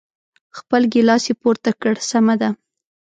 خپل ګیلاس یې پورته کړ، سمه ده.